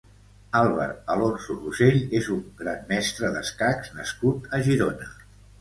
Àlvar Alonso Rosell és un gran Mestre d'escacs nascut a Girona.